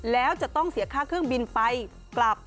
แล้วจะต้องเสียค่าเครื่องบินไปกลับ